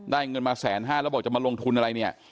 เงินมาแสนห้าแล้วบอกจะมาลงทุนอะไรเนี่ย